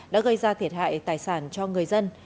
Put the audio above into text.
đã gây ra thiệt hại tài sản cho người dân